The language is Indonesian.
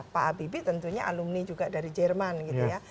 pak habibie tentunya alumni juga dari jerman gitu ya